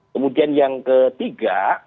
kemudian yang ketiga